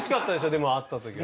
でも会った時は。